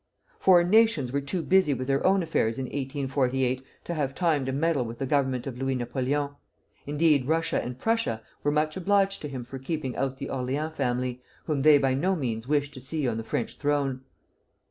Foreign nations were too busy with their own affairs in 1848 to have time to meddle with the Government of Louis Napoleon, indeed, Russia and Prussia were much obliged to him for keeping out the Orleans family, whom they by no means wished to see on the French throne.